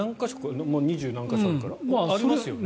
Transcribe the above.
２０何か所ありますからありますよね。